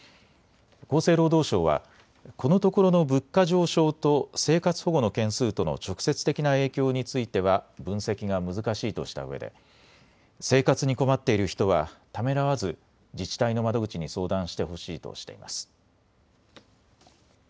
厚生労働省は、このところの物価上昇と生活保護の件数との直接的な影響については分析が難しいとしたうえで生活に困っている人はためらわず自治体の窓口に相談してほしいとしています。